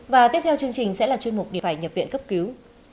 và tiếp theo chương trình sẽ là chuyên mục điện thoại nhập viện cấp cứu